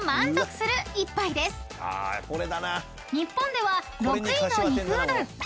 ［日本では６位の肉うどん。